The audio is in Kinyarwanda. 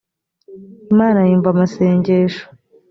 imana yumva amasengesho